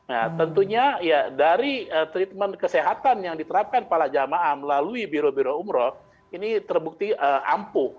nah tentunya ya dari treatment kesehatan yang diterapkan para jamaah melalui biro biro umroh ini terbukti ampuh